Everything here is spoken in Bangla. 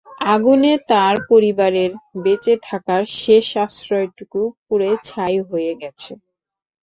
আগুনে তাঁর পরিবারের বেঁচে থাকার শেষ আশ্রয়টুকুও পুড়ে ছাই হয়ে গেছে।